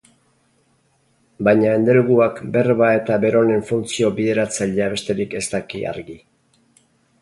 Baina endelguak berba eta beronen funtzio bideratzailea besterik ez daki argi.